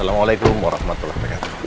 assalamualaikum warahmatullah wabarakatuh